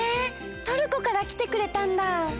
トルコからきてくれたんだ！